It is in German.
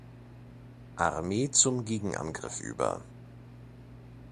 Armee zum Gegenangriff über.